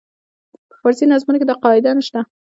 په فارسي نظمونو کې دا قاعده نه شته.